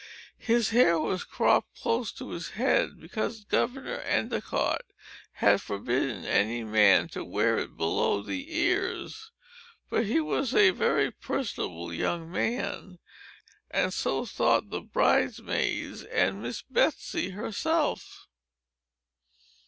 His hair was cropped close to his head, because Governor Endicott had forbidden any man to wear it below the ears. But he was a very personable young man; and so thought the bride maids and Miss Betsey herself.